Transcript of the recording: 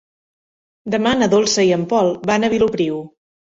Demà na Dolça i en Pol van a Vilopriu.